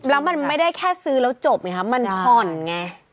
แล้วมันไม่ได้แค่ซื้อแล้วจบไงครับมันผ่อนไง